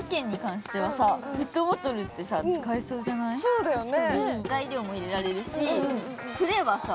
そうだよね。